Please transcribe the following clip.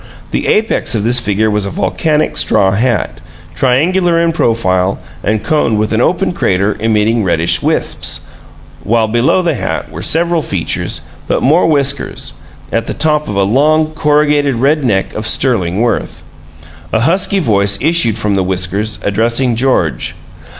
The apex of this figure was a volcanic straw hat, triangular in profile and coned with an open crater emitting reddish wisps, while below the hat were several features, but more whiskers, at the top of a long, corrugated red neck of sterling worth. A husky voice issued from the whiskers, addressing George.